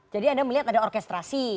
jadi anda melihat ada orkestrasi